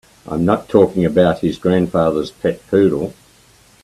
I'm not talking about his grandfather's pet poodle.